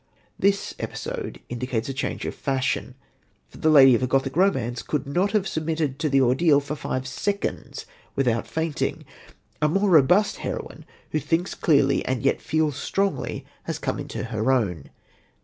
This episode indicates a change of fashion; for the lady of Gothic romance could not have submitted to the ordeal for five seconds without fainting. A more robust heroine, who thinks clearly and yet feels strongly, has come into her own.